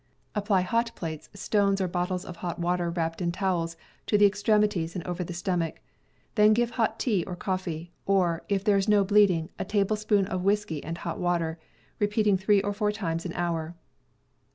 Apply hot plates, stones, or bottles of hot water, wrapped in towels, to the extremi ties and over the stomach. Then give hot tea or coffee, or, if there is no bleeding, a tablespoonful of whiskey and hot water, repeating three or four times an hour.